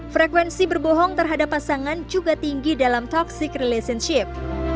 frekuensi berbohong terhadap pasangan juga tinggi dalam toxic relationship